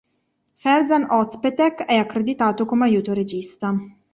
Ferzan Özpetek è accreditato come aiuto regista.